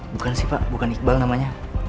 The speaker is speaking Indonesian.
bukan sih pak bukan iqbal namanya